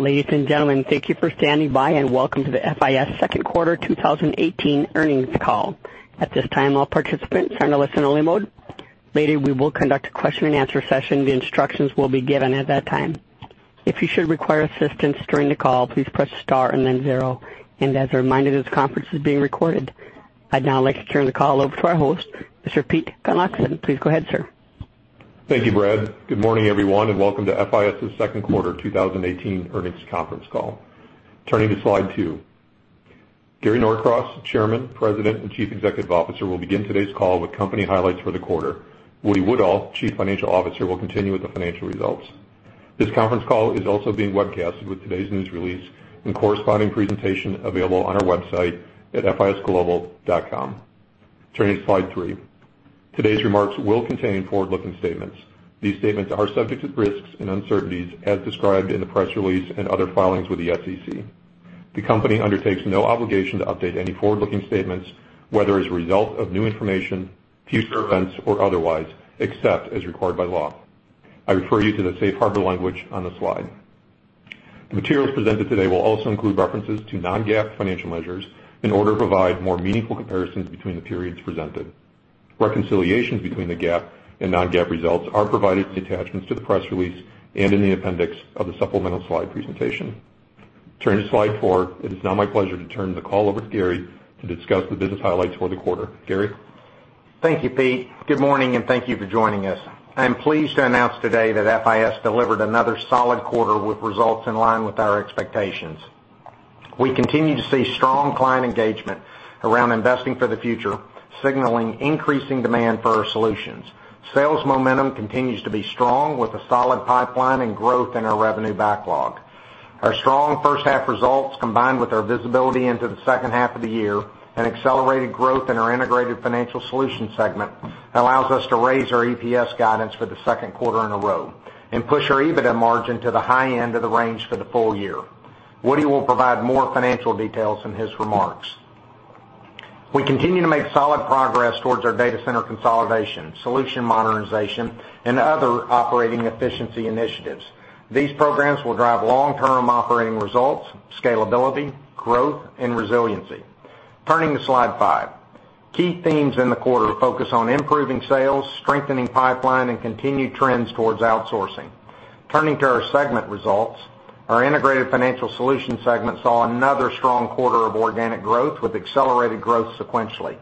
Ladies and gentlemen, thank you for standing by, and welcome to the FIS second quarter 2018 earnings call. At this time, all participants are in a listen only mode. Later, we will conduct a question and answer session. The instructions will be given at that time. If you should require assistance during the call, please press star and then zero. As a reminder, this conference is being recorded. I'd now like to turn the call over to our host, Mr. Pete Gunnlaugsson. Please go ahead, sir. Thank you, Brett. Good morning, everyone, and welcome to FIS's second quarter 2018 earnings conference call. Turning to Slide 2. Gary Norcross, Chairman, President, and Chief Executive Officer, will begin today's call with company highlights for the quarter. James Woodall, Chief Financial Officer, will continue with the financial results. This conference call is also being webcasted with today's news release and corresponding presentation available on our website at fisglobal.com. Turning to Slide 3. Today's remarks will contain forward-looking statements. These statements are subject to risks and uncertainties as described in the press release and other filings with the SEC. The company undertakes no obligation to update any forward-looking statements, whether as a result of new information, future events, or otherwise, except as required by law. I refer you to the safe harbor language on the slide. The materials presented today will also include references to non-GAAP financial measures in order to provide more meaningful comparisons between the periods presented. Reconciliations between the GAAP and non-GAAP results are provided in attachments to the press release and in the appendix of the supplemental slide presentation. Turning to Slide 4. It is now my pleasure to turn the call over to Gary to discuss the business highlights for the quarter. Gary? Thank you, Pete. Good morning, and thank you for joining us. I am pleased to announce today that FIS delivered another solid quarter with results in line with our expectations. We continue to see strong client engagement around investing for the future, signaling increasing demand for our solutions. Sales momentum continues to be strong with a solid pipeline and growth in our revenue backlog. Our strong first half results, combined with our visibility into the second half of the year and accelerated growth in our integrated financial solutions segment, allows us to raise our EPS guidance for the second quarter in a row and push our EBITDA margin to the high end of the range for the full year. Woody will provide more financial details in his remarks. We continue to make solid progress towards our data center consolidation, solution modernization, and other operating efficiency initiatives. These programs will drive long-term operating results, scalability, growth, and resiliency. Turning to Slide 5. Key themes in the quarter focus on improving sales, strengthening pipeline, and continued trends towards outsourcing. Turning to our segment results. Our Integrated Financial Solutions segment saw another strong quarter of organic growth, with accelerated growth sequentially.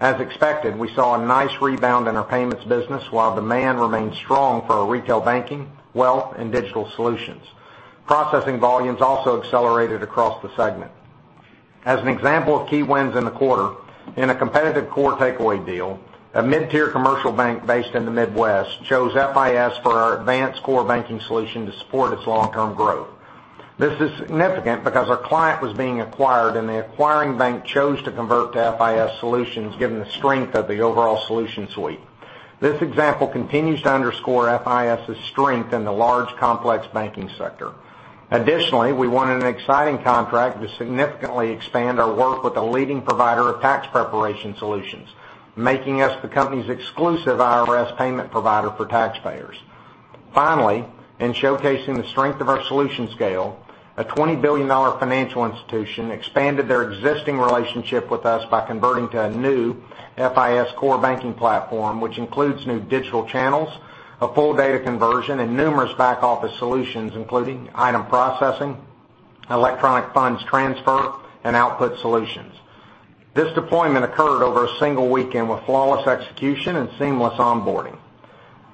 As expected, we saw a nice rebound in our payments business while demand remained strong for our retail banking, wealth, and digital solutions. Processing volumes also accelerated across the segment. As an example of key wins in the quarter, in a competitive core takeaway deal, a mid-tier commercial bank based in the Midwest chose FIS for our advanced core banking solution to support its long-term growth. This is significant because our client was being acquired, and the acquiring bank chose to convert to FIS solutions given the strength of the overall solution suite. This example continues to underscore FIS's strength in the large, complex banking sector. Additionally, we won an exciting contract to significantly expand our work with a leading provider of tax preparation solutions, making us the company's exclusive IRS payment provider for taxpayers. Finally, in showcasing the strength of our solution scale, a $20 billion financial institution expanded their existing relationship with us by converting to a new FIS core banking platform, which includes new digital channels, a full data conversion, and numerous back-office solutions, including item processing, electronic funds transfer, and output solutions. This deployment occurred over a single weekend with flawless execution and seamless onboarding.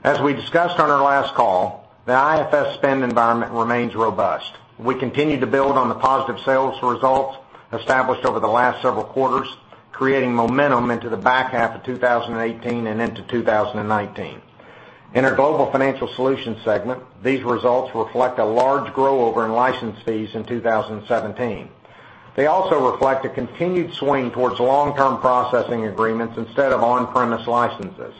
As we discussed on our last call, the IFS spend environment remains robust. We continue to build on the positive sales results established over the last several quarters, creating momentum into the back half of 2018 and into 2019. In our Global Financial Solutions segment, these results reflect a large grow-over in license fees in 2017. They also reflect a continued swing towards long-term processing agreements instead of on-premise licenses.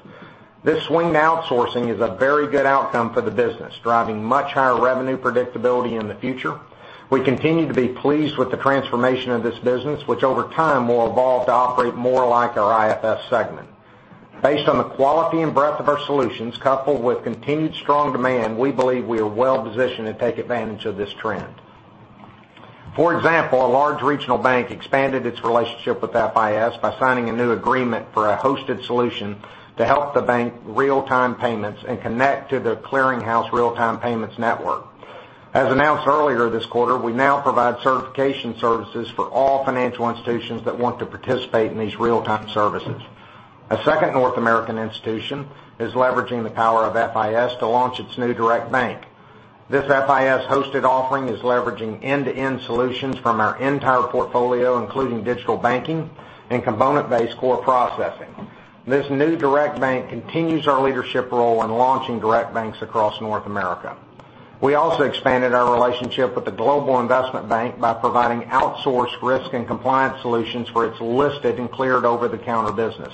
This swing to outsourcing is a very good outcome for the business, driving much higher revenue predictability in the future. We continue to be pleased with the transformation of this business, which over time will evolve to operate more like our IFS segment. Based on the quality and breadth of our solutions, coupled with continued strong demand, we believe we are well-positioned to take advantage of this trend. For example, a large regional bank expanded its relationship with FIS by signing a new agreement for a hosted solution to help the bank real-time payments and connect to The Clearing House real-time payments network. As announced earlier this quarter, we now provide certification services for all financial institutions that want to participate in these real-time services. A second North American institution is leveraging the power of FIS to launch its new direct bank. This FIS-hosted offering is leveraging end-to-end solutions from our entire portfolio, including digital banking and component-based core processing. This new direct bank continues our leadership role in launching direct banks across North America. We also expanded our relationship with the global investment bank by providing outsourced risk and compliance solutions for its listed and cleared over-the-counter business.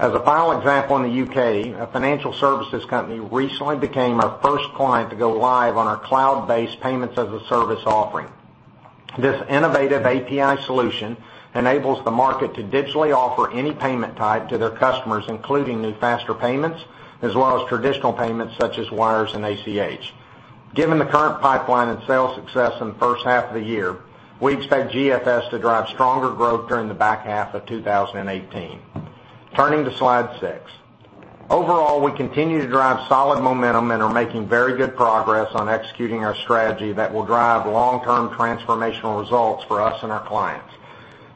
As a final example in the U.K., a financial services company recently became our first client to go live on our cloud-based payments-as-a-service offering. This innovative API solution enables the market to digitally offer any payment type to their customers, including new faster payments, as well as traditional payments such as wires and ACH. Given the current pipeline and sales success in the first half of the year, we expect GFS to drive stronger growth during the back half of 2018. Turning to Slide six. Overall, we continue to drive solid momentum and are making very good progress on executing our strategy that will drive long-term transformational results for us and our clients.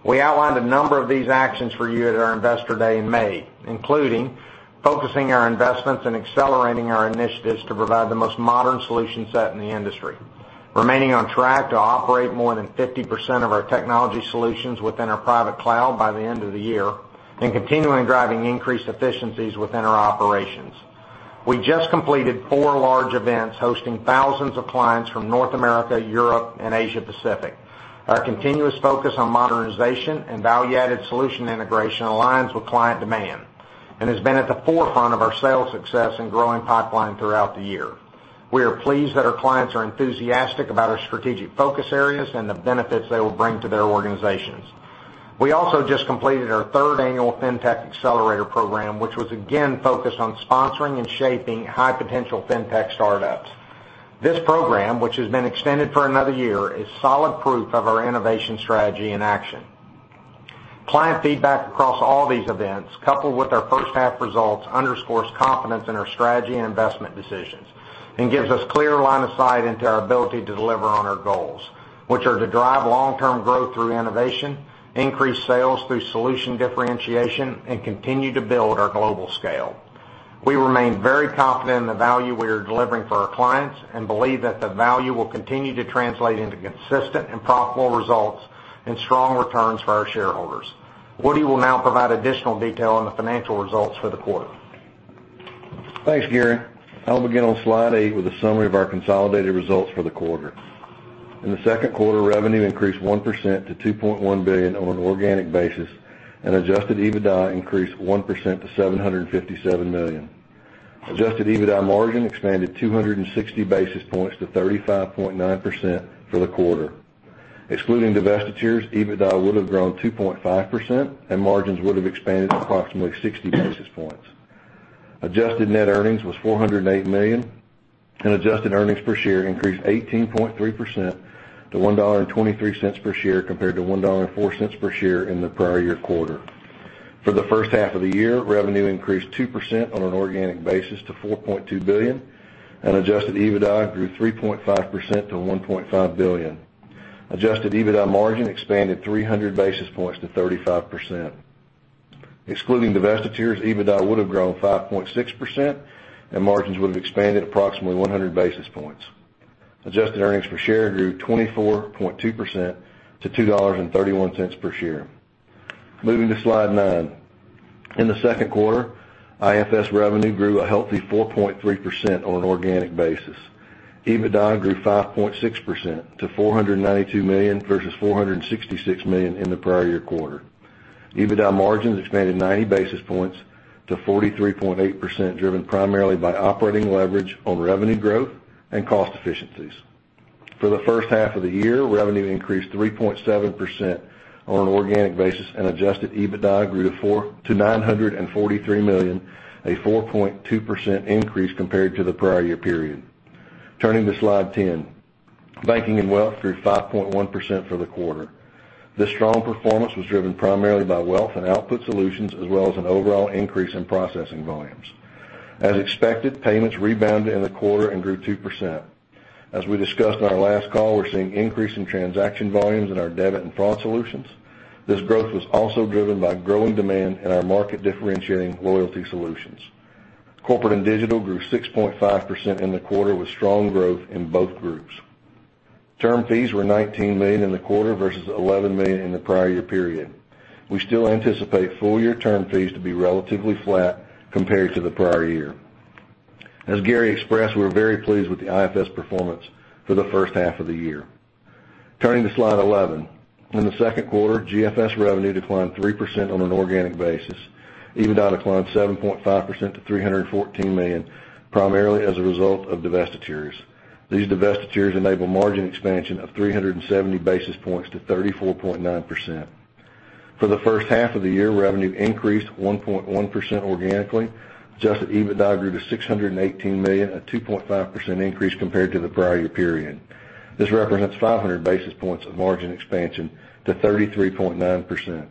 We outlined a number of these actions for you at our Investor Day in May, including focusing our investments and accelerating our initiatives to provide the most modern solution set in the industry, remaining on track to operate more than 50% of our technology solutions within our private cloud by the end of the year, and continuing driving increased efficiencies within our operations. We just completed four large events hosting thousands of clients from North America, Europe, and Asia-Pacific. Our continuous focus on modernization and value-added solution integration aligns with client demand and has been at the forefront of our sales success in growing pipeline throughout the year. We are pleased that our clients are enthusiastic about our strategic focus areas and the benefits they will bring to their organizations. We also just completed our third annual Fintech Accelerator program, which was again focused on sponsoring and shaping high-potential fintech startups. This program, which has been extended for another year, is solid proof of our innovation strategy in action. Client feedback across all these events, coupled with our first half results, underscores confidence in our strategy and investment decisions, and gives us clear line of sight into our ability to deliver on our goals, which are to drive long-term growth through innovation, increase sales through solution differentiation, and continue to build our global scale. We remain very confident in the value we are delivering for our clients and believe that the value will continue to translate into consistent and profitable results and strong returns for our shareholders. Woody will now provide additional detail on the financial results for the quarter. Thanks, Gary. I'll begin on Slide eight with a summary of our consolidated results for the quarter. In the second quarter, revenue increased 1% to $2.1 billion on an organic basis, and Adjusted EBITDA increased 1% to $757 million. Adjusted EBITDA margin expanded 260 basis points to 35.9% for the quarter. Excluding divestitures, EBITDA would have grown 2.5%, and margins would have expanded approximately 60 basis points. Adjusted net earnings was $408 million, and adjusted earnings per share increased 18.3% to $1.23 per share compared to $1.04 per share in the prior year quarter. For the first half of the year, revenue increased 2% on an organic basis to $4.2 billion, and adjusted EBITDA grew 3.5% to $1.5 billion. Adjusted EBITDA margin expanded 300 basis points to 35%. Excluding divestitures, EBITDA would have grown 5.6%, and margins would have expanded approximately 100 basis points. Adjusted earnings per share grew 24.2% to $2.31 per share. Moving to Slide nine. In the second quarter, IFS revenue grew a healthy 4.3% on an organic basis. EBITDA grew 5.6% to $492 million, versus $466 million in the prior year quarter. EBITDA margins expanded 90 basis points to 43.8%, driven primarily by operating leverage on revenue growth and cost efficiencies. For the first half of the year, revenue increased 3.7% on an organic basis, and adjusted EBITDA grew to $943 million, a 4.2% increase compared to the prior year period. Turning to Slide 10. Banking and wealth grew 5.1% for the quarter. This strong performance was driven primarily by wealth and output solutions, as well as an overall increase in processing volumes. As expected, payments rebounded in the quarter and grew 2%. As we discussed on our last call, we're seeing increase in transaction volumes in our debit and fraud solutions. This growth was also driven by growing demand in our market differentiating loyalty solutions. Corporate and Digital grew 6.5% in the quarter with strong growth in both groups. Term fees were $19 million in the quarter versus $11 million in the prior year period. We still anticipate full-year term fees to be relatively flat compared to the prior year. As Gary expressed, we're very pleased with the IFS performance for the first half of the year. Turning to Slide 11. In the second quarter, GFS revenue declined 3% on an organic basis. EBITDA declined 7.5% to $314 million, primarily as a result of divestitures. These divestitures enable margin expansion of 370 basis points to 34.9%. For the first half of the year, revenue increased 1.1% organically. Adjusted EBITDA grew to $618 million, a 2.5% increase compared to the prior year period. This represents 500 basis points of margin expansion to 33.9%.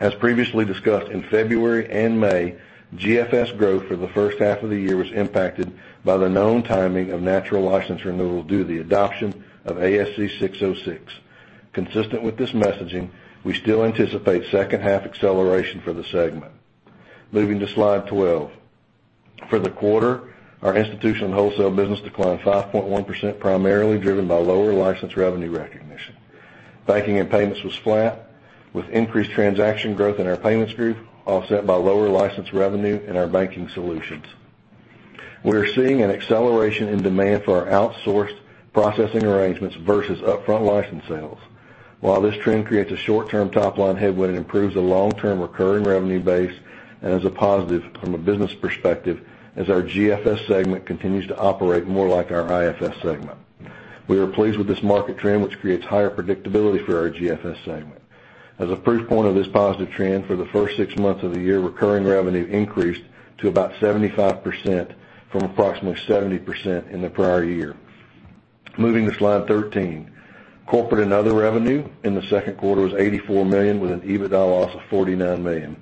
As previously discussed, in February and May, GFS growth for the first half of the year was impacted by the known timing of natural license renewal due to the adoption of ASC 606. Consistent with this messaging, we still anticipate second half acceleration for the segment. Moving to Slide 12. For the quarter, our Institutional and Wholesale business declined 5.1%, primarily driven by lower license revenue recognition. Banking and payments was flat, with increased transaction growth in our payments group offset by lower license revenue in our banking solutions. We are seeing an acceleration in demand for our outsourced processing arrangements versus upfront license sales. While this trend creates a short-term top-line headwind, it improves the long-term recurring revenue base and is a positive from a business perspective as our GFS segment continues to operate more like our IFS segment. We are pleased with this market trend, which creates higher predictability for our GFS segment. As a proof point of this positive trend, for the first six months of the year, recurring revenue increased to about 75% from approximately 70% in the prior year. Moving to slide 13. Corporate and other revenue in the second quarter was $84 million, with an EBITDA loss of $49 million.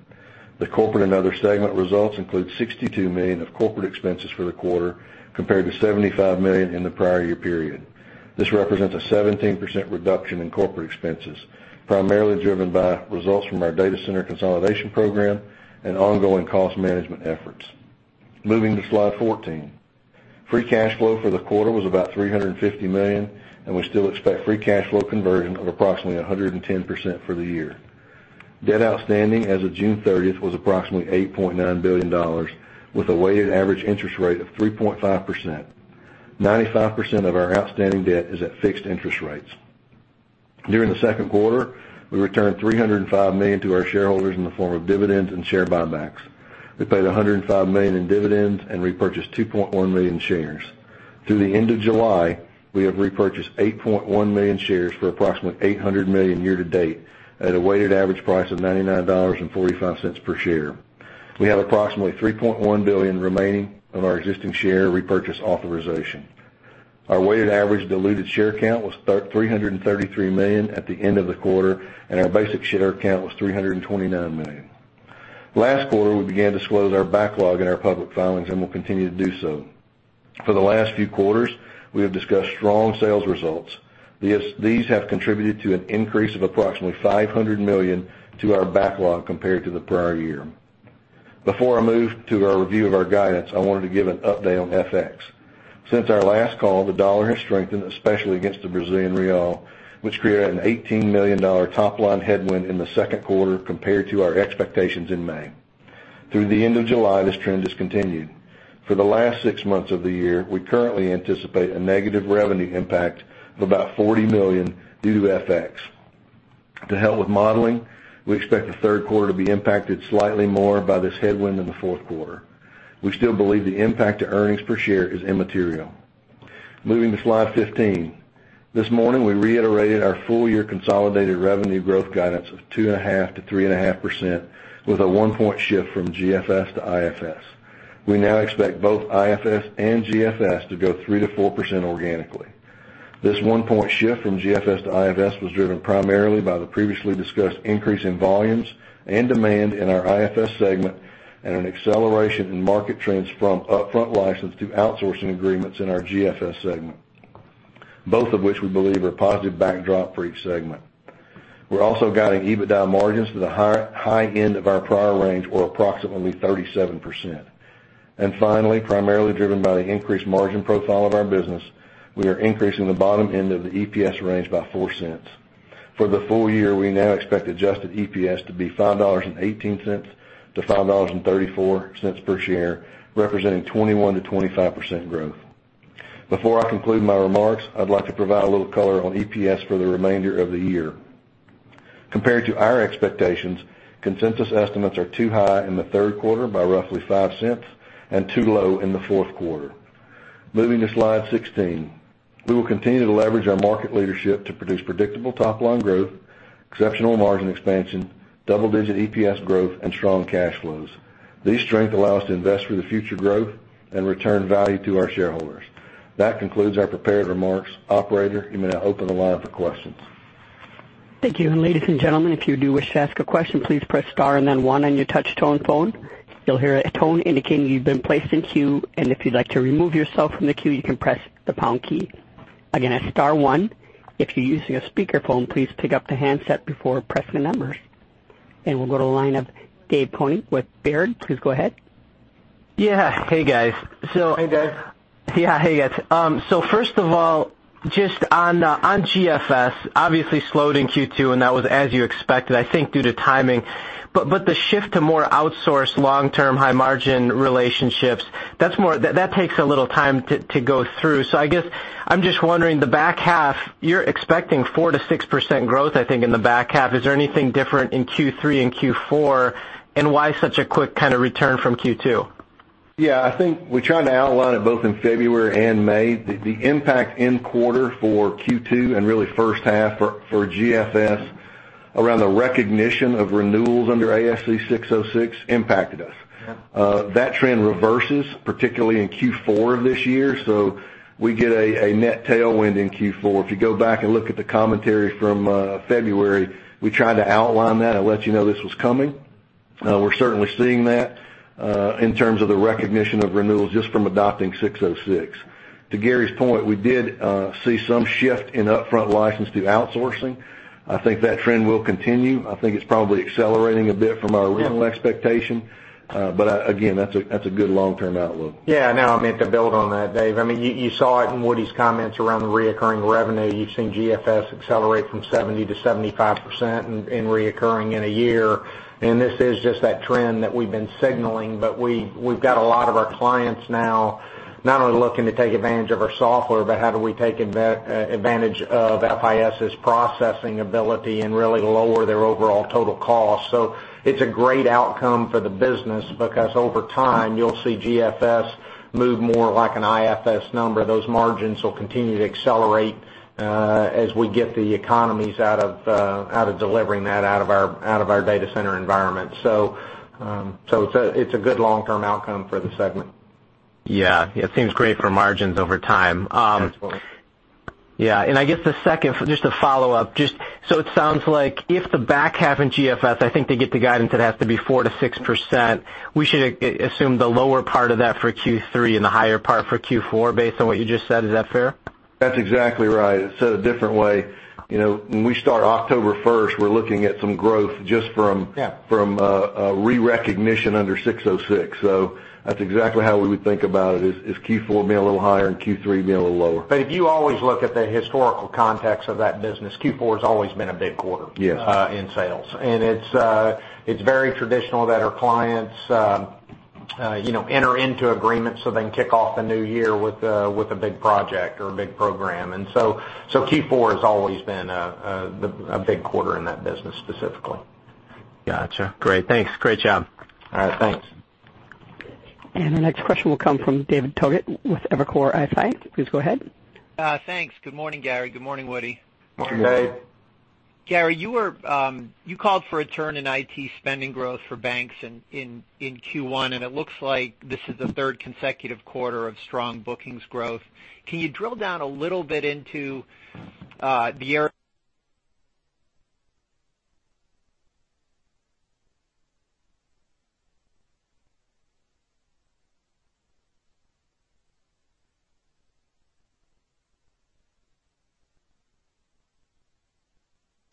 The corporate and other segment results include $62 million of corporate expenses for the quarter, compared to $75 million in the prior year period. This represents a 17% reduction in corporate expenses, primarily driven by results from our data center consolidation program and ongoing cost management efforts. Moving to slide 14. Free cash flow for the quarter was about $350 million, and we still expect free cash flow conversion of approximately 110% for the year. Debt outstanding as of June 30th was approximately $8.9 billion, with a weighted average interest rate of 3.5%. 95% of our outstanding debt is at fixed interest rates. During the second quarter, we returned $305 million to our shareholders in the form of dividends and share buybacks. We paid $105 million in dividends and repurchased 2.1 million shares. Through the end of July, we have repurchased 8.1 million shares for approximately $800 million year to date, at a weighted average price of $99.45 per share. We have approximately $3.1 billion remaining of our existing share repurchase authorization. Our weighted average diluted share count was 333 million at the end of the quarter, and our basic share count was 329 million. Last quarter, we began to disclose our backlog in our public filings and will continue to do so. For the last few quarters, we have discussed strong sales results. These have contributed to an increase of approximately $500 million to our backlog compared to the prior year. Before I move to our review of our guidance, I wanted to give an update on FX. Since our last call, the dollar has strengthened, especially against the Brazilian real, which created an $18 million top-line headwind in the second quarter compared to our expectations in May. Through the end of July, this trend has continued. For the last six months of the year, we currently anticipate a negative revenue impact of about $40 million due to FX. To help with modeling, we expect the third quarter to be impacted slightly more by this headwind in the fourth quarter. We still believe the impact to earnings per share is immaterial. Moving to slide 15. This morning, we reiterated our full-year consolidated revenue growth guidance of 2.5%-3.5%, with a one-point shift from GFS to IFS. We now expect both IFS and GFS to grow 3%-4% organically. This one-point shift from GFS to IFS was driven primarily by the previously discussed increase in volumes and demand in our IFS segment and an acceleration in market trends from upfront license to outsourcing agreements in our GFS segment, both of which we believe are a positive backdrop for each segment. We are also guiding EBITDA margins to the high end of our prior range, or approximately 37%. Finally, primarily driven by the increased margin profile of our business, we are increasing the bottom end of the EPS range by $0.04. For the full year, we now expect adjusted EPS to be $5.18-$5.34 per share, representing 21%-25% growth. Before I conclude my remarks, I'd like to provide a little color on EPS for the remainder of the year. Compared to our expectations, consensus estimates are too high in the third quarter by roughly $0.05 and too low in the fourth quarter. Moving to slide 16. We will continue to leverage our market leadership to produce predictable top-line growth, exceptional margin expansion, double-digit EPS growth, and strong cash flows. These strengths allow us to invest for the future growth and return value to our shareholders. That concludes our prepared remarks. Operator, you may now open the line for questions. Thank you. Ladies and gentlemen, if you do wish to ask a question, please press star and then one on your touch-tone phone. You'll hear a tone indicating you've been placed in queue, and if you'd like to remove yourself from the queue, you can press the pound key. Again, that's star one. If you're using a speakerphone, please pick up the handset before pressing the numbers. We'll go to the line of David Koning with Baird. Please go ahead. Yeah. Hey, guys. Hey, Dave. Hey, guys. First of all, on GFS, obviously slowed in Q2, and that was as you expected, I think, due to timing. The shift to more outsourced long-term high-margin relationships, that takes a little time to go through. I guess I'm wondering, the back half, you're expecting 4%-6% growth, I think, in the back half. Is there anything different in Q3 and Q4? Why such a quick return from Q2? I think we tried to outline it both in February and May. The impact in Q2 and really first half for GFS around the recognition of renewals under ASC 606 impacted us. Yeah. That trend reverses, particularly in Q4 of this year, so we get a net tailwind in Q4. If you go back and look at the commentary from February, we tried to outline that and let you know this was coming. We're certainly seeing that in terms of the recognition of renewals from adopting 606. To Gary's point, we did see some shift in upfront license to outsourcing. I think that trend will continue. I think it's probably accelerating a bit from our. Yeah Original expectation. Again, that's a good long-term outlook. I meant to build on that, Dave. You saw it in Woody's comments around the recurring revenue. You've seen GFS accelerate from 70% to 75% in recurring in a year. This is just that trend that we've been signaling. We've got a lot of our clients now not only looking to take advantage of our software, but how do we take advantage of FIS's processing ability and really lower their overall total cost. It's a great outcome for the business because over time, you'll see GFS move more like an IFS number. Those margins will continue to accelerate as we get the economies out of delivering that out of our data center environment. It's a good long-term outcome for the segment. It seems great for margins over time. Absolutely. I guess the second, just a follow-up, it sounds like if the back half in GFS, I think they get the guidance, it has to be 4%-6%. We should assume the lower part of that for Q3 and the higher part for Q4, based on what you just said. Is that fair? That's exactly right. It's a different way. When we start October 1st, we're looking at some growth just from rerecognition under 606. That's exactly how we would think about it is Q4 being a little higher and Q3 being a little lower. If you always look at the historical context of that business, Q4 has always been a big quarter in sales. It's very traditional that our clients enter into agreements so they can kick off the new year with a big project or a big program. Q4 has always been a big quarter in that business, specifically. Got you. Great. Thanks. Great job. All right. Thanks. The next question will come from David Togut with Evercore ISI. Please go ahead. Thanks. Good morning, Gary. Good morning, Woody. Morning, Dave. Gary, you called for a turn in IT spending growth for banks in Q1, and it looks like this is the third consecutive quarter of strong bookings growth. Can you drill down a little bit into the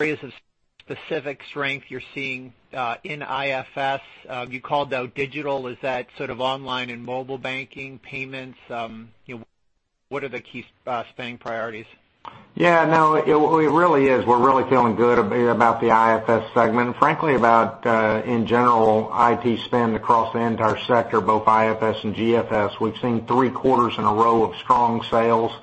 areas of specific strength you're seeing in IFS? You called out digital, is that sort of online and mobile banking payments? What are the key spending priorities? Yeah, no, it really is. We're really feeling good about the IFS segment, frankly, about, in general, IT spend across the entire sector, both IFS and GFS. We've seen three quarters in a row of strong sales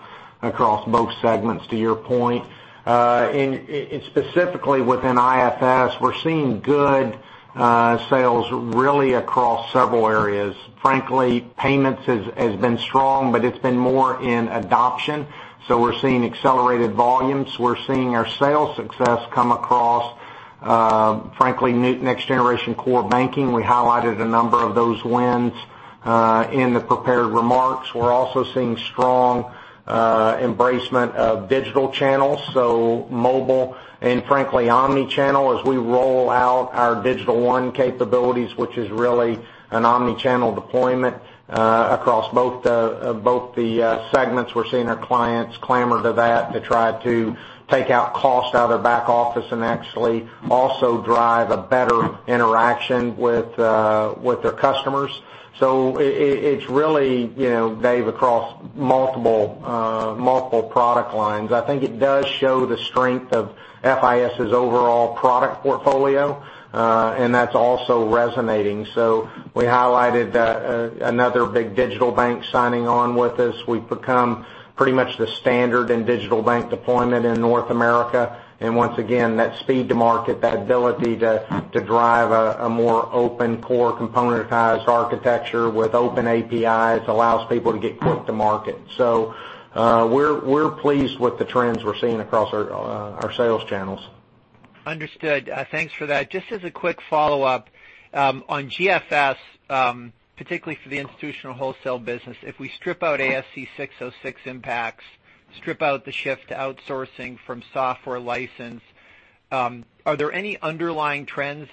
across both segments, to your point. Specifically within IFS, we're seeing good sales really across several areas. Frankly, payments has been strong, but it's been more in adoption. We're seeing accelerated volumes. We're seeing our sales success come across, frankly, next generation core banking. We highlighted a number of those wins in the prepared remarks. We're also seeing strong embracement of digital channels, so mobile and frankly, omni-channel, as we roll out our Digital One capabilities, which is really an omni-channel deployment, across both the segments. We're seeing our clients clamor to that to try to take out cost out of their back office and actually also drive a better interaction with their customers. It's really, Dave, across multiple product lines. I think it does show the strength of FIS's overall product portfolio, and that's also resonating. We highlighted another big digital bank signing on with us. We've become pretty much the standard in digital bank deployment in North America. Once again, that speed to market, that ability to drive a more open core componentized architecture with open APIs allows people to get quick to market. We're pleased with the trends we're seeing across our sales channels. Understood. Thanks for that. Just as a quick follow-up, on GFS, particularly for the institutional wholesale business, if we strip out ASC 606 impacts, strip out the shift to outsourcing from software license, are there any underlying trends,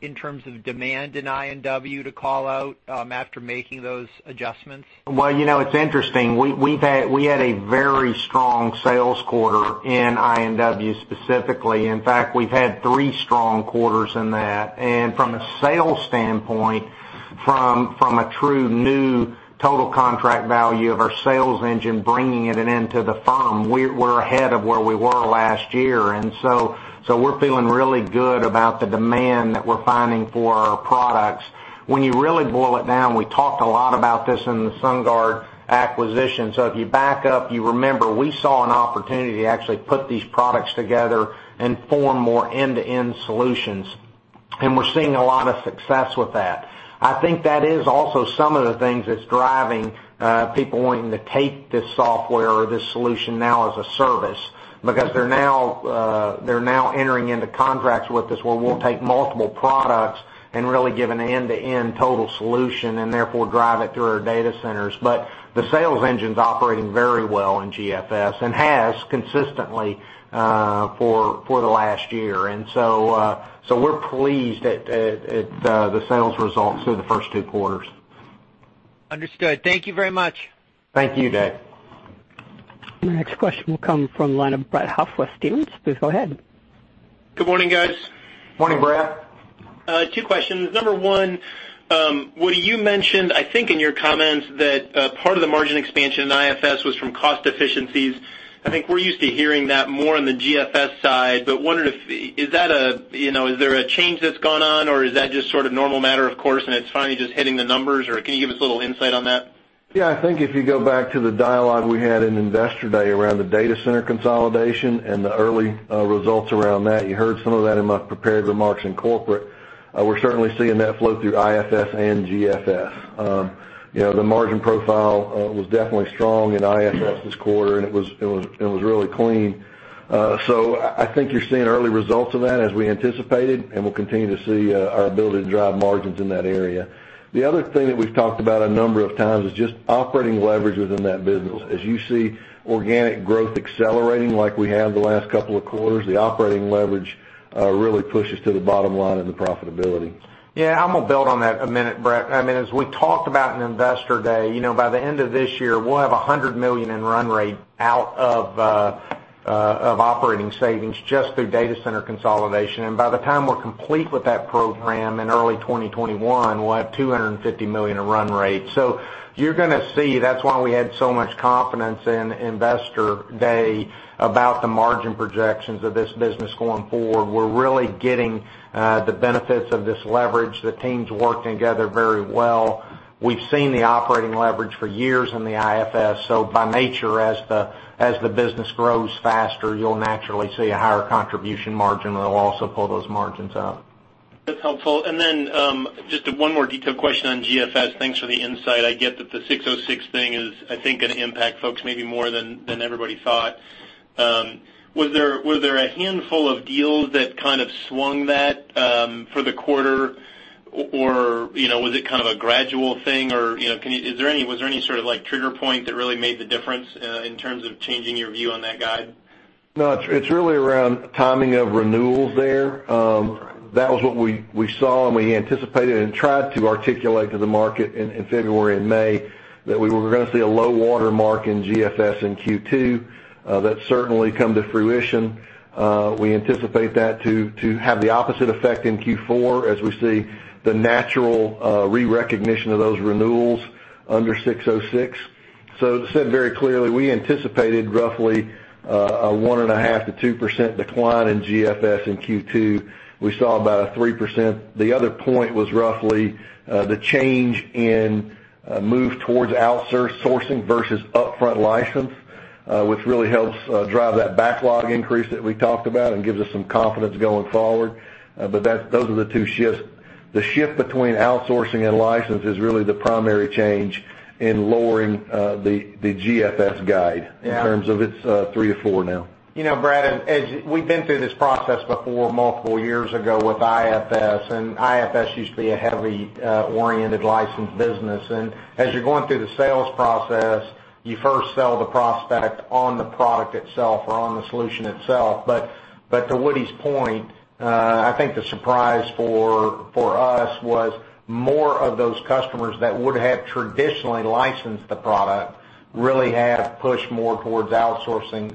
in terms of demand in I&W to call out after making those adjustments? Well, it's interesting. We had a very strong sales quarter in I&W specifically. In fact, we've had three strong quarters in that. From a sales standpoint, from a true new total contract value of our sales engine, bringing it into the firm, we're ahead of where we were last year. We're feeling really good about the demand that we're finding for our products. When you really boil it down, we talked a lot about this in the SunGard acquisition. If you back up, you remember, we saw an opportunity to actually put these products together and form more end-to-end solutions. We're seeing a lot of success with that. I think that is also some of the things that's driving people wanting to take this software or this solution now as a service, because they're now entering into contracts with us where we'll take multiple products and really give an end-to-end total solution and therefore drive it through our data centers. But the sales engine's operating very well in GFS and has consistently for the last year. We're pleased at the sales results through the first two quarters. Understood. Thank you very much. Thank you, Dave. The next question will come from the line of Brett Huff with Stephens. Please go ahead. Good morning, guys. Morning, Brett. Two questions. Number 1, Woody, you mentioned, I think in your comments, that part of the margin expansion in IFS was from cost efficiencies. I think we're used to hearing that more on the GFS side, but wondering, is there a change that's gone on or is that just sort of normal matter of course, and it's finally just hitting the numbers? Can you give us a little insight on that? Yeah, I think if you go back to the dialogue we had in Investor Day around the data center consolidation and the early results around that, you heard some of that in my prepared remarks in corporate. We're certainly seeing that flow through IFS and GFS. The margin profile was definitely strong in IFS this quarter, and it was really clean. I think you're seeing early results of that as we anticipated, and we'll continue to see our ability to drive margins in that area. The other thing that we've talked about a number of times is just operating leverage within that business. As you see organic growth accelerating like we have the last couple of quarters, the operating leverage really pushes to the bottom line in the profitability. Yeah. I'm going to build on that a minute, Brett. As we talked about in Investor Day, by the end of this year, we'll have $100 million in run rate out of operating savings just through data center consolidation. By the time we're complete with that program in early 2021, we'll have $250 million in run rate. You're going to see that's why we had so much confidence in Investor Day about the margin projections of this business going forward. We're really getting the benefits of this leverage. The teams working together very well. We've seen the operating leverage for years in the IFS, so by nature, as the business grows faster, you'll naturally see a higher contribution margin that'll also pull those margins up. That's helpful. Just one more detailed question on GFS. Thanks for the insight. I get that the 606 thing is, I think, going to impact folks maybe more than everybody thought. Was there a handful of deals that kind of swung that for the quarter, or was it kind of a gradual thing, or was there any sort of trigger point that really made the difference in terms of changing your view on that guide? No, it's really around timing of renewals there. That was what we saw, and we anticipated and tried to articulate to the market in February and May that we were going to see a low water mark in GFS in Q2. That certainly come to fruition. We anticipate that to have the opposite effect in Q4 as we see the natural re-recognition of those renewals under 606. To say it very clearly, we anticipated roughly a 1.5%-2% decline in GFS in Q2. We saw about a 3%. The other point was roughly the change in move towards outsourcing versus upfront license, which really helps drive that backlog increase that we talked about and gives us some confidence going forward. Those are the two shifts. The shift between outsourcing and license is really the primary change in lowering the GFS guide- Yeah in terms of its 3-4 now. Brett, as we've been through this process before, multiple years ago with IFS used to be a heavily oriented licensed business. As you're going through the sales process, you first sell the prospect on the product itself or on the solution itself. To Woody's point, I think the surprise for us was more of those customers that would have traditionally licensed the product, really have pushed more towards outsourcing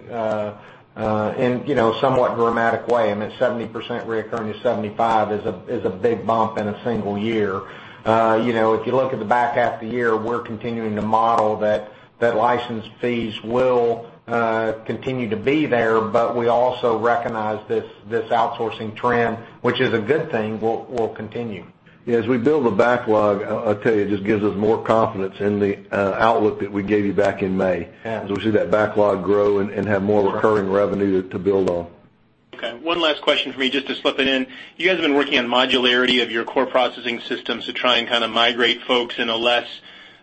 in somewhat dramatic way. I mean, 70%-75% is a big bump in a single year. If you look at the back half of the year, we're continuing to model that license fees will continue to be there, we also recognize this outsourcing trend, which is a good thing, will continue. As we build the backlog, I'll tell you, it just gives us more confidence in the outlook that we gave you back in May. Yeah. We see that backlog grow and have more recurring revenue to build on. One last question for me, just to slip it in. You guys have been working on modularity of your core processing systems to try and kind of migrate folks in a less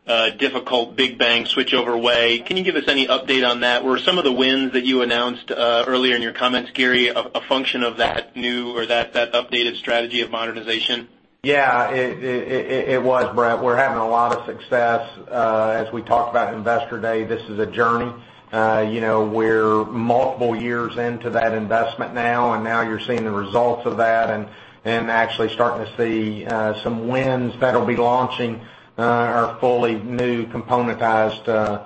difficult, big bang switchover way. Can you give us any update on that? Were some of the wins that you announced earlier in your comments, Gary, a function of that new or that updated strategy of modernization? It was, Brett. We're having a lot of success. We talked about Investor Day, this is a journey. We're multiple years into that investment now, and now you're seeing the results of that and actually starting to see some wins that'll be launching our fully new componentized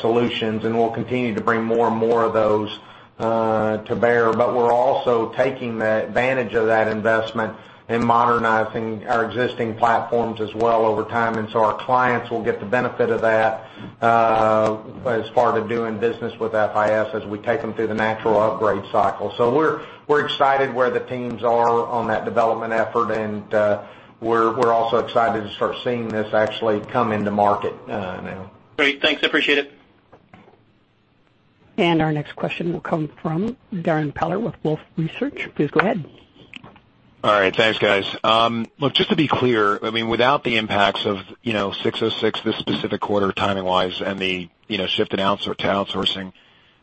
solutions, and we'll continue to bring more and more of those to bear. We're also taking the advantage of that investment in modernizing our existing platforms as well over time, and so our clients will get the benefit of that as part of doing business with FIS as we take them through the natural upgrade cycle. We're excited where the teams are on that development effort, and we're also excited to start seeing this actually come into market now. Great. Thanks. I appreciate it. Our next question will come from Darrin Peller with Wolfe Research. Please go ahead. All right. Thanks, guys. Look, just to be clear, without the impacts of ASC 606 this specific quarter, timing-wise, and the shift in outsourcing,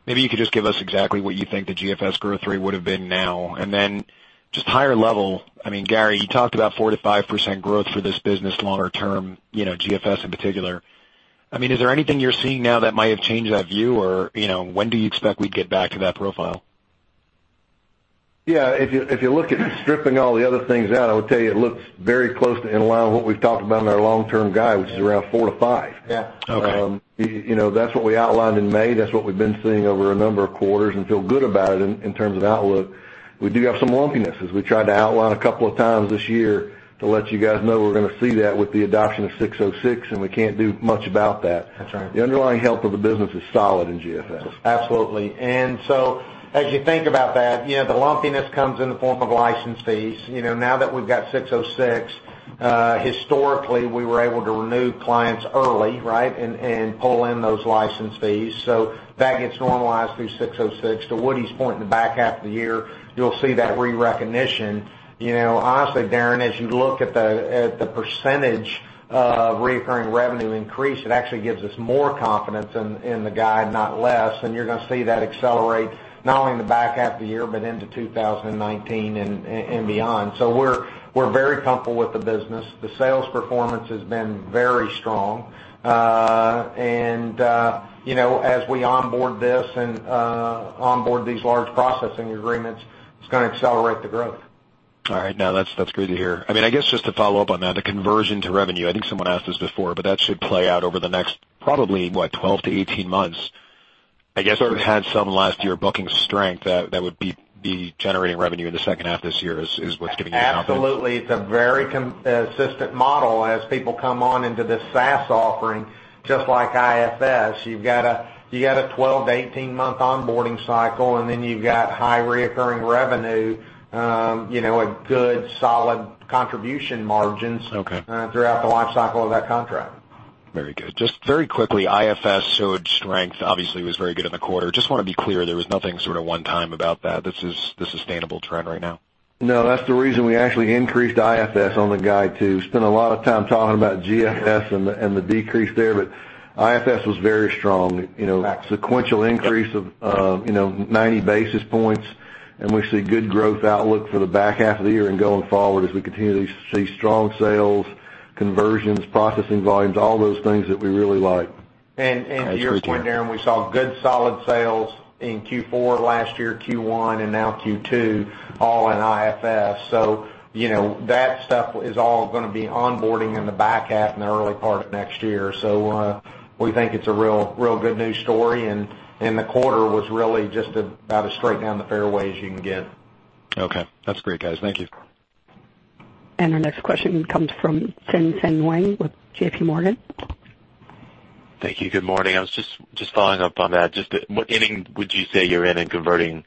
maybe you could just give us exactly what you think the GFS growth rate would have been now. Then just higher level, Gary, you talked about 4%-5% growth for this business longer term, GFS in particular. Is there anything you're seeing now that might have changed that view, or when do you expect we'd get back to that profile? Yeah. If you look at stripping all the other things out, I would tell you it looks very close to in line with what we've talked about in our long-term guide, which is around four to five. Yeah. Okay. That's what we outlined in May. That's what we've been seeing over a number of quarters and feel good about it in terms of outlook. We do have some lumpiness, as we tried to outline a couple of times this year to let you guys know we're going to see that with the adoption of ASC 606, we can't do much about that. That's right. The underlying health of the business is solid in GFS. Absolutely. As you think about that, the lumpiness comes in the form of license fees. Now that we've got ASC 606, historically, we were able to renew clients early, right? Pull in those license fees. That gets normalized through ASC 606. To Woody's point, in the back half of the year, you'll see that re-recognition. Honestly, Darrin, as you look at the percentage of reoccurring revenue increase, it actually gives us more confidence in the guide, not less. You're going to see that accelerate not only in the back half of the year, but into 2019 and beyond. We're very comfortable with the business. The sales performance has been very strong. As we onboard this and onboard these large processing agreements, it's going to accelerate the growth. All right. No, that's good to hear. I guess, just to follow up on that, the conversion to revenue, I think someone asked this before, but that should play out over the next probably, what, 12 to 18 months. I guess, sort of had some last year booking strength that would be generating revenue in the second half of this year is what's giving you confidence? Absolutely. It's a very consistent model as people come on into this SaaS offering, just like IFS. You've got a 12 to 18-month onboarding cycle, and then you've got high reoccurring revenue, a good, solid contribution margins. Okay Throughout the life cycle of that contract. Very good. Just very quickly, IFS showed strength, obviously, it was very good in the quarter. Just want to be clear, there was nothing sort of one-time about that. This is the sustainable trend right now? No, that's the reason we actually increased IFS on the guide, too. Spent a lot of time talking about GFS and the decrease there, but IFS was very strong. Got it. We see good growth outlook for the back half of the year and going forward as we continue to see strong sales, conversions, processing volumes, all those things that we really like. To your point, Darrin, we saw good, solid sales in Q4 last year, Q1, and now Q2, all in IFS. That stuff is all going to be onboarding in the back half and the early part of next year. We think it's a real good news story, and the quarter was really just about as straight down the fairway as you can get. Okay. That's great, guys. Thank you. Our next question comes from Tien-Tsin Huang with JPMorgan. Thank you. Good morning. I was just following up on that. Just, what inning would you say you're in in converting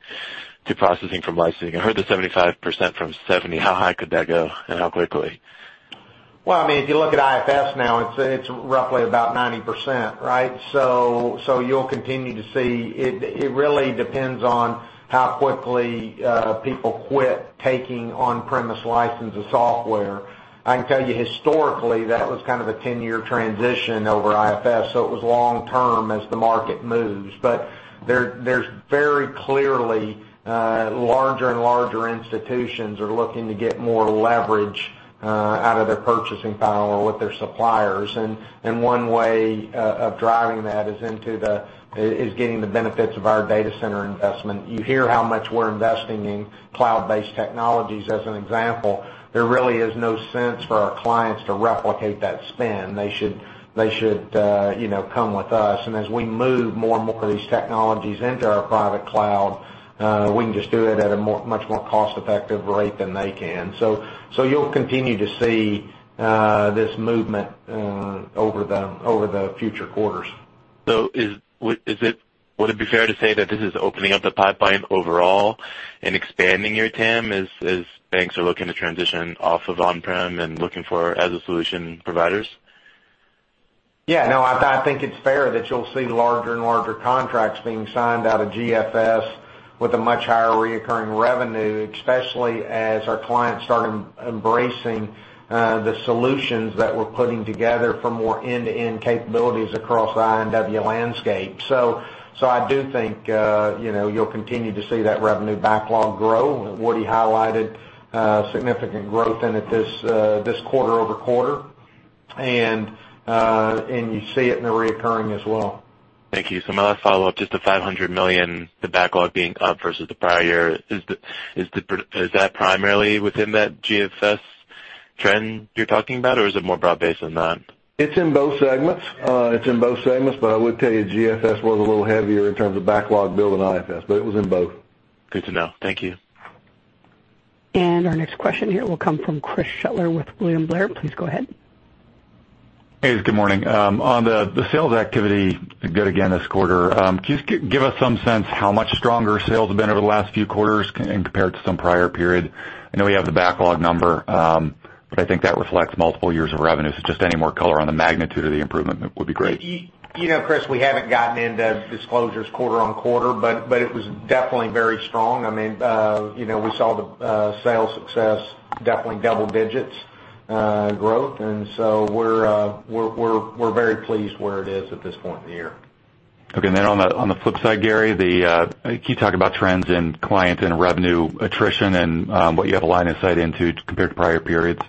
to processing from licensing? I heard the 75% from 70%. How high could that go, and how quickly? Well, if you look at IFS now, it's roughly about 90%, right? You'll continue to see, it really depends on how quickly people quit taking on-premise license of software. I can tell you historically, that was kind of a 10-year transition over IFS, so it was long-term as the market moves. There's very clearly, larger and larger institutions are looking to get more leverage out of their purchasing power with their suppliers. One way of driving that is getting the benefits of our data center investment. You hear how much we're investing in cloud-based technologies as an example. There really is no sense for our clients to replicate that spend. They should come with us. As we move more and more of these technologies into our private cloud, we can just do it at a much more cost-effective rate than they can. You'll continue to see this movement over the future quarters. Would it be fair to say that this is opening up the pipeline overall and expanding your TAM as banks are looking to transition off of on-prem and looking for as a solution providers? I think it's fair that you'll see larger and larger contracts being signed out of GFS with a much higher recurring revenue, especially as our clients start embracing the solutions that we're putting together for more end-to-end capabilities across the I&W landscape. I do think you'll continue to see that revenue backlog grow. Woody highlighted significant growth in it this quarter-over-quarter. You see it in the recurring as well. Thank you. My last follow-up, just the $500 million, the backlog being up versus the prior year. Is that primarily within that GFS trend you're talking about, or is it more broad-based than that? It's in both segments. I would tell you GFS was a little heavier in terms of backlog build than IFS, it was in both. Good to know. Thank you. Our next question here will come from Chris Shutler with William Blair. Please go ahead. Hey, good morning. On the sales activity, good again this quarter. Can you just give us some sense how much stronger sales have been over the last few quarters compared to some prior period? I know we have the backlog number, I think that reflects multiple years of revenue. Just any more color on the magnitude of the improvement would be great. Chris, we haven't gotten into disclosures quarter-on-quarter. It was definitely very strong. We saw the sales success, definitely double digits growth. We're very pleased where it is at this point in the year. Okay. On the flip side, Gary, can you talk about trends in client and revenue attrition and what you have a line of sight into compared to prior periods?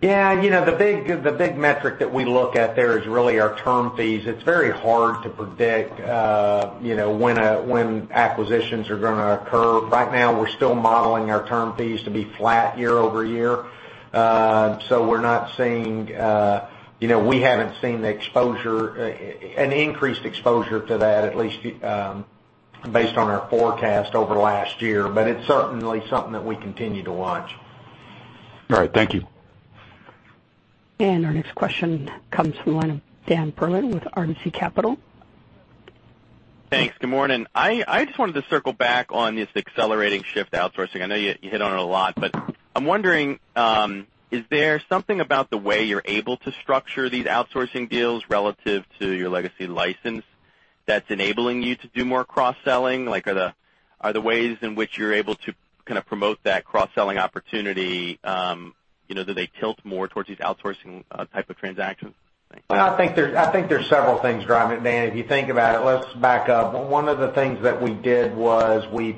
The big metric that we look at there is really our term fees. It's very hard to predict when acquisitions are going to occur. Right now, we're still modeling our term fees to be flat year-over-year. We're not seeing, we haven't seen an increased exposure to that, at least based on our forecast over last year. It's certainly something that we continue to watch. All right. Thank you. Our next question comes from the line of Dan Perlin with RBC Capital. Thanks. Good morning. I just wanted to circle back on this accelerating shift to outsourcing. I know you hit on it a lot, but I'm wondering, is there something about the way you're able to structure these outsourcing deals relative to your legacy license that's enabling you to do more cross-selling? Are the ways in which you're able to promote that cross-selling opportunity, do they tilt more towards these outsourcing type of transactions? Thanks. I think there's several things driving it, Dan. If you think about it, let's back up. One of the things that we did was we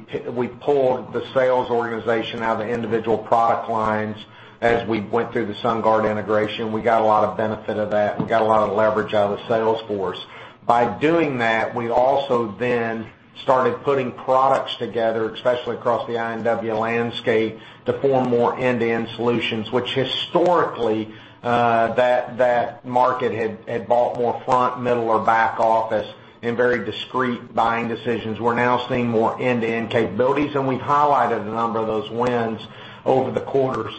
pulled the sales organization out of the individual product lines as we went through the SunGard integration. We got a lot of benefit of that. We got a lot of leverage out of the sales force. By doing that, we also then started putting products together, especially across the I&W landscape, to form more end-to-end solutions, which historically, that market had bought more front, middle, or back office in very discreet buying decisions. We're now seeing more end-to-end capabilities, and we've highlighted a number of those wins over the quarters.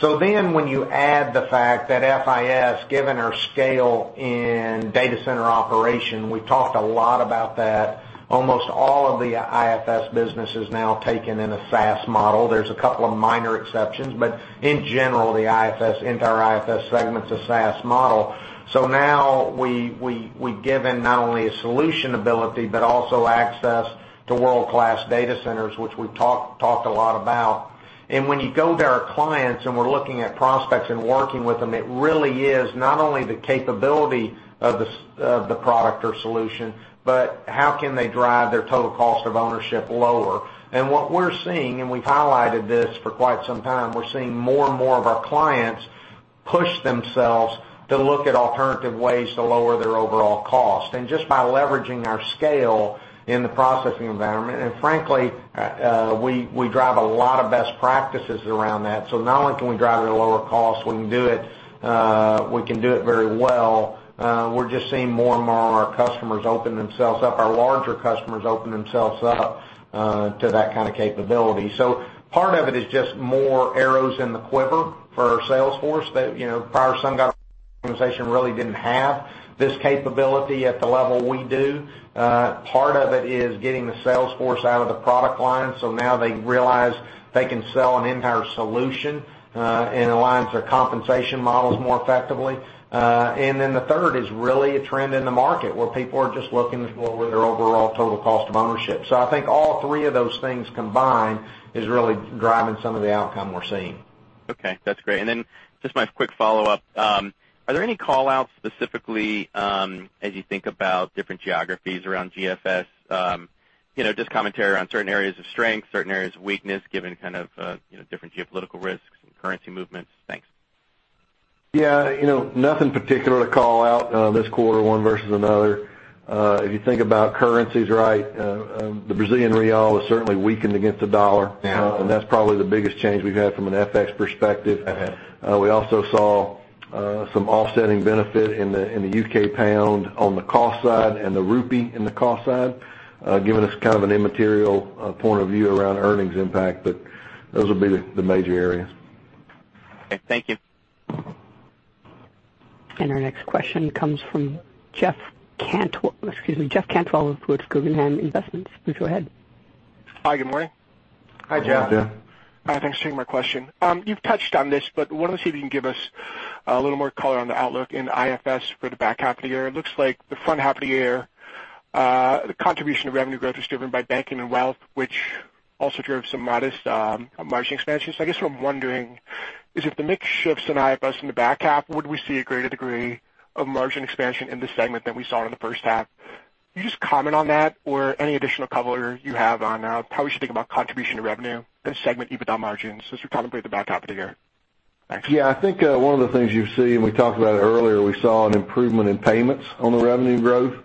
When you add the fact that FIS, given our scale in data center operation, we've talked a lot about that, almost all of the IFS business is now taken in a SaaS model. There's a couple of minor exceptions, but in general, the entire IFS segment's a SaaS model. When you go to our clients and we're looking at prospects and working with them, it really is not only the capability of the product or solution, but how can they drive their total cost of ownership lower. What we're seeing, and we've highlighted this for quite some time, we're seeing more and more of our clients push themselves to look at alternative ways to lower their overall cost, just by leveraging our scale in the processing environment. Frankly, we drive a lot of best practices around that. Not only can we drive it at a lower cost, we can do it very well. We're just seeing more and more of our customers open themselves up, our larger customers open themselves up to that kind of capability. Part of it is just more arrows in the quiver for our sales force that, prior SunGard organization really didn't have this capability at the level we do. Part of it is getting the sales force out of the product line, so now they realize they can sell an entire solution, and aligns their compensation models more effectively. Then the third is really a trend in the market where people are just looking at their overall total cost of ownership. I think all three of those things combined is really driving some of the outcome we're seeing. Okay, that's great. Then just my quick follow-up. Are there any call-outs specifically, as you think about different geographies around GFS? Just commentary on certain areas of strength, certain areas of weakness, given different geopolitical risks and currency movements. Thanks. Yeah. Nothing particular to call out this quarter, one versus another. If you think about currencies, the Brazilian real has certainly weakened against the dollar. Yeah. That's probably the biggest change we've had from an FX perspective. Okay. We also saw some offsetting benefit in the GBP on the cost side and the INR in the cost side, giving us an immaterial point of view around earnings impact. Those would be the major areas. Okay. Thank you. Our next question comes from Jeff Cantwell of Guggenheim Securities. Please go ahead. Hi, good morning. Hi, Jeff. Yeah. Thanks for taking my question. You've touched on this, but I wanted to see if you can give us a little more color on the outlook in IFS for the back half of the year. It looks like the front half of the year, the contribution of revenue growth is driven by Banking & Wealth, which also drove some modest margin expansion. I guess what I'm wondering is if the mix shifts in IFS in the back half, would we see a greater degree of margin expansion in this segment than we saw in the first half? Can you just comment on that or any additional color you have on how we should think about contribution to revenue in the segment, even without margins, as we contemplate the back half of the year? Thanks. I think one of the things you see, and we talked about it earlier, we saw an improvement in payments on the revenue growth.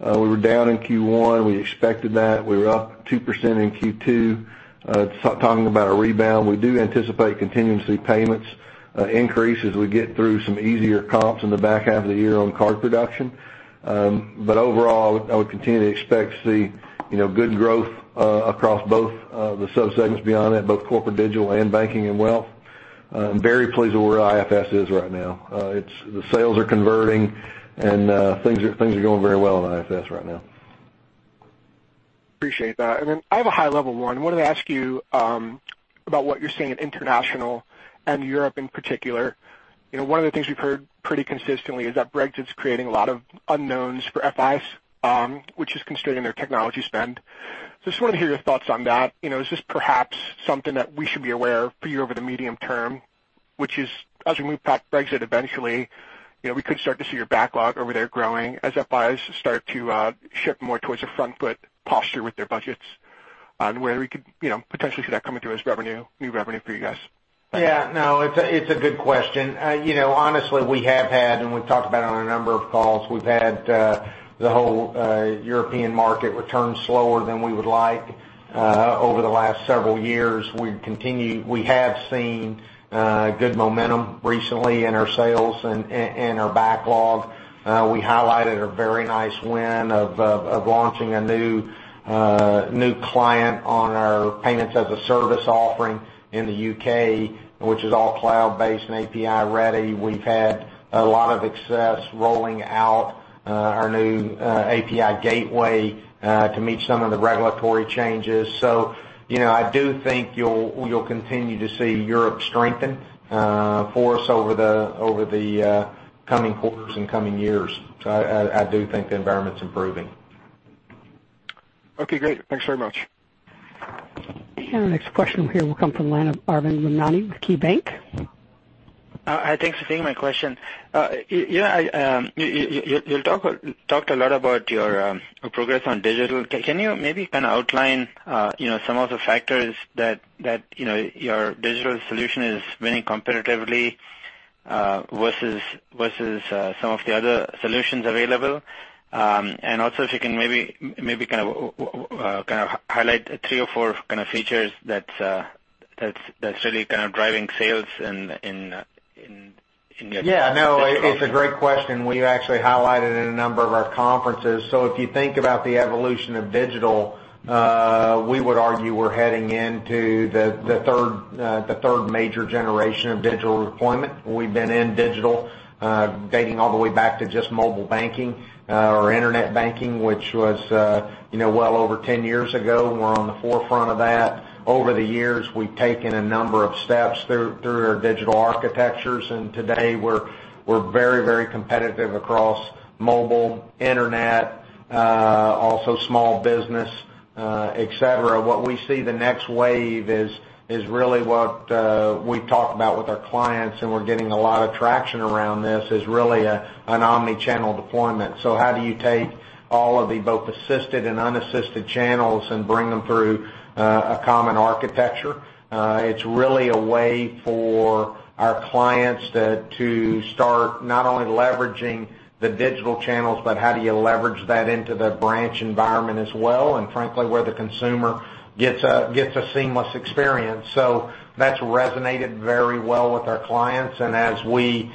We were down in Q1. We expected that. We were up 2% in Q2. Talking about a rebound, we do anticipate continuing to see payments increase as we get through some easier comps in the back half of the year on card production. Overall, I would continue to expect to see good growth across both of the sub-segments beyond that, both Corporate & Digital and Banking & Wealth. I'm very pleased with where IFS is right now. The sales are converting and things are going very well in IFS right now. Appreciate that. I have a high-level one. I wanted to ask you about what you are seeing in international and Europe in particular. One of the things we have heard pretty consistently is that Brexit's creating a lot of unknowns for FIs, which is constraining their technology spend. Just wanted to hear your thoughts on that. Is this perhaps something that we should be aware of for you over the medium term, which is as we move past Brexit, eventually, we could start to see your backlog over there growing as FIs start to shift more towards a front-foot posture with their budgets on where we could potentially see that coming through as revenue, new revenue for you guys? Yeah, no, it's a good question. Honestly, and we've talked about it on a number of calls, we've had the whole European market return slower than we would like over the last several years. We have seen good momentum recently in our sales and in our backlog. We highlighted a very nice win of launching a new client on our payments-as-a-service offering in the U.K., which is all cloud-based and API-ready. We've had a lot of success rolling out our new API gateway to meet some of the regulatory changes. I do think you'll continue to see Europe strengthen for us over the coming quarters and coming years. I do think the environment's improving. Okay, great. Thanks very much. Our next question here will come from the line of Arvind Ramnani with KeyBanc. Hi, thanks for taking my question. You talked a lot about your progress on digital. Can you maybe kind of outline some of the factors that your digital solution is winning competitively, versus some of the other solutions available? If you can maybe highlight three or four features that's really driving sales in your- Yeah, no, it's a great question. We actually highlighted it in a number of our conferences. If you think about the evolution of digital, we would argue we're heading into the 3rd major generation of digital deployment. We've been in digital, dating all the way back to just mobile banking or internet banking, which was well over 10 years ago, and we're on the forefront of that. Over the years, we've taken a number of steps through our digital architectures, and today we're very competitive across mobile, internet, also small business, et cetera. What we see the next wave is really what we talk about with our clients, and we're getting a lot of traction around this, is really an omni-channel deployment. How do you take all of the both assisted and unassisted channels and bring them through a common architecture? It's really a way for our clients to start not only leveraging the digital channels, but how do you leverage that into the branch environment as well, and frankly, where the consumer gets a seamless experience. That's resonated very well with our clients, and as we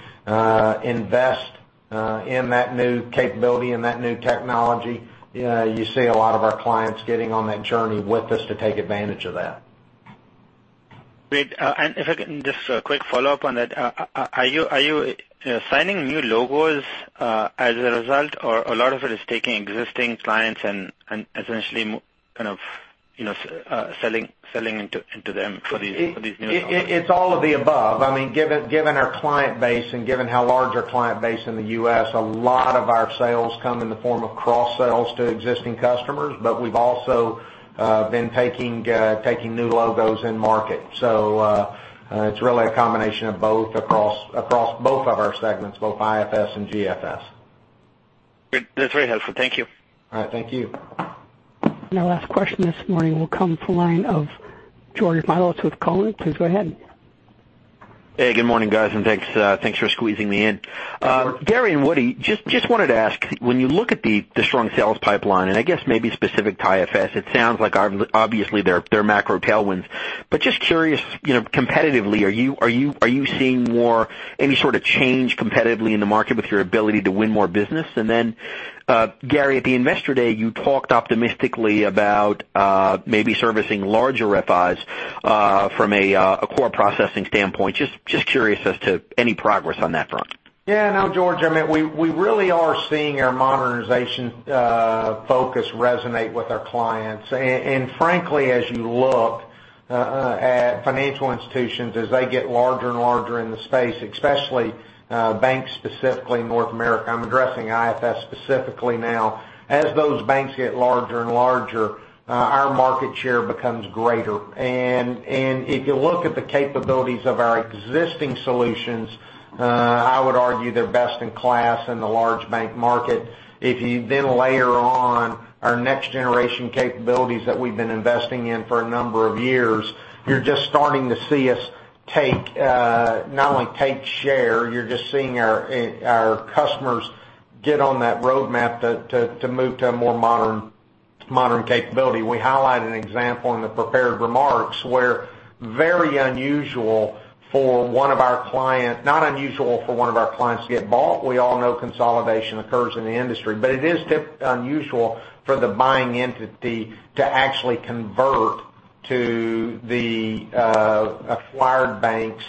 invest in that new capability and that new technology, you see a lot of our clients getting on that journey with us to take advantage of that. Great. If I can, just a quick follow-up on that. Are you signing new logos, as a result, or a lot of it is taking existing clients and essentially selling into them for these new- It's all of the above. Given our client base and given how large our client base in the U.S., a lot of our sales come in the form of cross-sales to existing customers, but we've also been taking new logos in market. It's really a combination of both across both of our segments, both IFS and GFS. Good. That's very helpful. Thank you. All right. Thank you. Our last question this morning will come from the line of Georgios Mihalos with Cowen. Please go ahead. Hey, good morning, guys, and thanks for squeezing me in. Gary and Woody, just wanted to ask, when you look at the strong sales pipeline, and I guess maybe specific to IFS, it sounds like obviously there are macro tailwinds. Just curious, competitively, are you seeing more any sort of change competitively in the market with your ability to win more business? Gary, at the Investor Day, you talked optimistically about maybe servicing larger FIs from a core processing standpoint. Just curious as to any progress on that front. Yeah, no, George, we really are seeing our modernization focus resonate with our clients. Frankly, as you look at financial institutions, as they get larger and larger in the space, especially banks specifically in North America, I'm addressing IFS specifically now. As those banks get larger and larger, our market share becomes greater. If you look at the capabilities of our existing solutions, I would argue they're best in class in the large bank market. If you layer on our next generation capabilities that we've been investing in for a number of years, you're just starting to see us not only take share, you're just seeing our customers get on that roadmap to move to a more modern capability. We highlight an example in the prepared remarks where not unusual for one of our clients to get bought. We all know consolidation occurs in the industry, but it is unusual for the buying entity to actually convert to the acquired bank's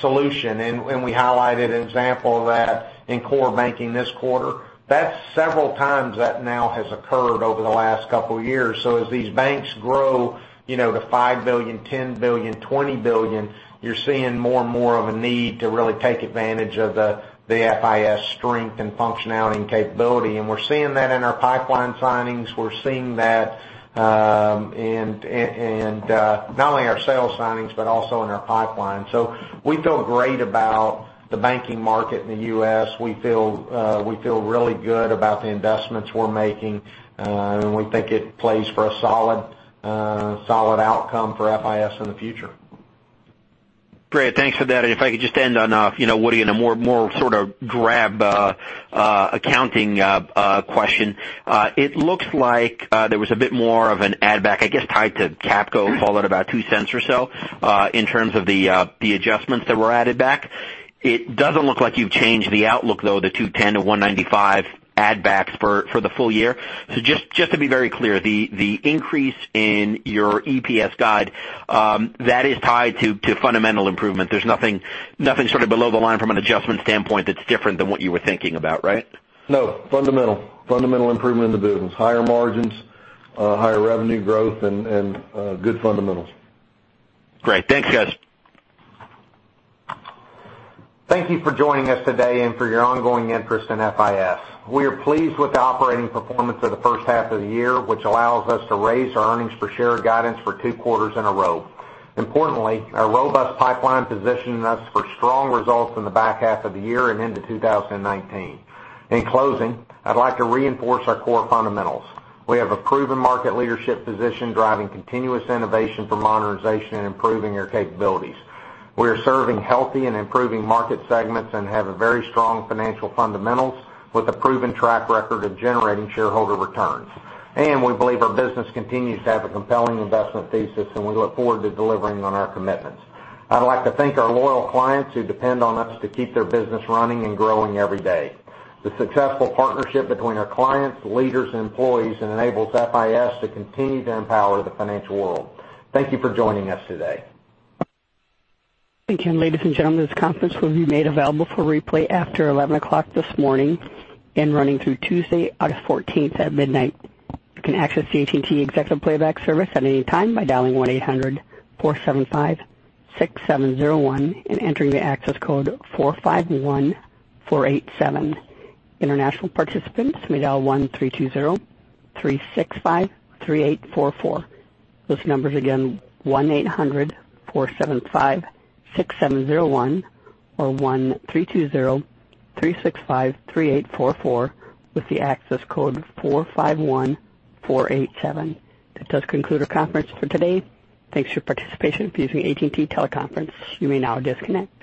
solution. We highlighted an example of that in core banking this quarter. That's several times that now has occurred over the last couple of years. As these banks grow to $5 billion, $10 billion, $20 billion, you're seeing more and more of a need to really take advantage of the FIS strength and functionality and capability. We're seeing that in our pipeline signings. We're seeing that in not only our sales signings, but also in our pipeline. We feel great about the banking market in the U.S. We feel really good about the investments we're making. We think it plays for a solid outcome for FIS in the future. Great. Thanks for that. If I could just end on, Woody, in a more sort of GAAP accounting question. It looks like there was a bit more of an add back, I guess, tied to Capco call it about $0.02 or so, in terms of the adjustments that were added back. It doesn't look like you've changed the outlook, though, the $2.10-$1.95 add backs for the full year. Just to be very clear, the increase in your EPS guide, that is tied to fundamental improvement. There's nothing sort of below the line from an adjustment standpoint that's different than what you were thinking about, right? No. Fundamental. Fundamental improvement in the business. Higher margins, higher revenue growth, and good fundamentals. Great. Thanks, guys. Thank you for joining us today and for your ongoing interest in FIS. We are pleased with the operating performance of the first half of the year, which allows us to raise our earnings per share guidance for two quarters in a row. Importantly, our robust pipeline positioning us for strong results in the back half of the year and into 2019. In closing, I'd like to reinforce our core fundamentals. We have a proven market leadership position driving continuous innovation for modernization and improving our capabilities. We are serving healthy and improving market segments and have a very strong financial fundamentals with a proven track record of generating shareholder returns. We believe our business continues to have a compelling investment thesis, and we look forward to delivering on our commitments. I'd like to thank our loyal clients who depend on us to keep their business running and growing every day. The successful partnership between our clients, leaders, and employees enables FIS to continue to empower the financial world. Thank you for joining us today. Thank you. Ladies and gentlemen, this conference will be made available for replay after 11:00 A.M. this morning and running through Tuesday, August 14th at midnight. You can access the AT&T Executive Playback service at any time by dialing 1-800-475-6701 and entering the access code 451487. International participants may dial 1-320-365-3844. Those numbers again, 1-800-475-6701 or 1-320-365-3844 with the access code 451487. That does conclude our conference for today. Thanks for your participation using AT&T Teleconference. You may now disconnect.